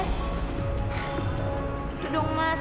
gitu dong mas